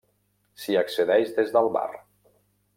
S'hi accedeix des del bar.